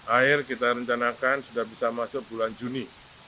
air kita rencanakan sudah bisa masuk bulan juni